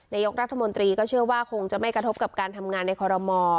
นายกรัฐมนตรีก็เชื่อว่าคงจะไม่กระทบกับการทำงานในคอรมอ